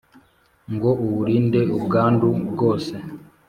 ngo uwurinde ubwandu bwose